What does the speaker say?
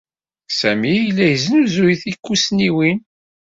Sami yella yesnuzuy tikkussniwin.